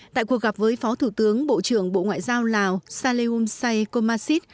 tại cuộc gặp với phó thủ tướng bộ trưởng bộ ngoại giao lào dạ lầm say cô mạ xít